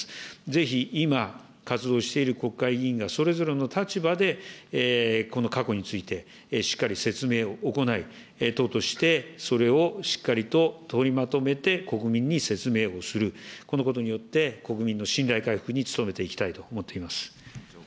ぜひ今、活動している国会議員がそれぞれの立場で、この過去について、しっかり説明を行い、党として、それをしっかりと取りまとめて、国民に説明をする、このことによって、国民の信頼回復に努めていきたいと思っています。